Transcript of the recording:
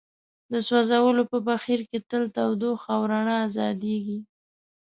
د سوځولو په بهیر کې تل تودوخه او رڼا ازادیږي.